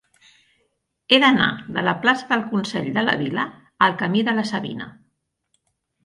He d'anar de la plaça del Consell de la Vila al camí de la Savina.